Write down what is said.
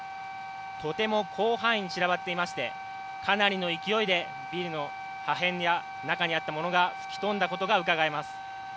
とても広範囲に散らばっていましてかなりの勢いでビルの破片や中にあったものが吹き飛んだことがうかがえます。